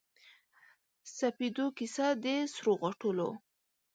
سپیدو کیسه د سروغاټولو